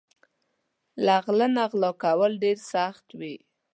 له غل نه غلا کول ډېر سخت وي